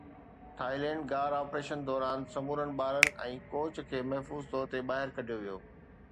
Thailand غار operation دوران سمورن ٻارن ۽ ڪوچ کي محفوظ طور تي ٻاهر ڪڍيو ويو